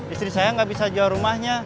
istri saya nggak bisa jual rumahnya